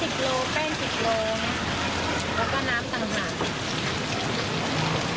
แป้ง๑๐กิโลกรัมแล้วก็น้ำตาลไซด์